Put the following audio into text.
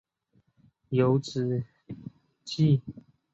有脂鳍。